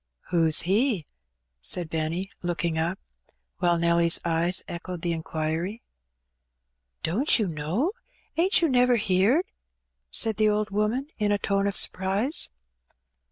"Who's He?" said Benny, looking up; while Nelly's eyes echoed the inquiry. "Don't you know — ain't you never heerd?" said the old woman, in a tone of surprise.